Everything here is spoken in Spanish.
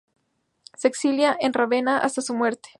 Se exilia en Rávena, hasta su muerte.